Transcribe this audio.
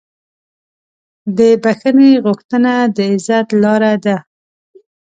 د بښنې غوښتنه د عزت لاره ده.